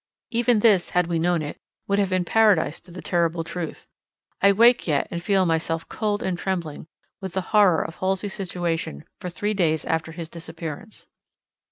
Even this, had we known it, would have been paradise to the terrible truth. I wake yet and feel myself cold and trembling with the horror of Halsey's situation for three days after his disappearance.